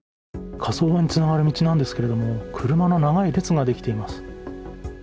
火葬場につながる道なんですけども、車の長い列ができています。